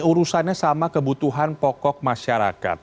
urusannya sama kebutuhan pokok masyarakat